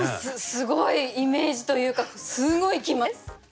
すごいイメージというかすごい来ます。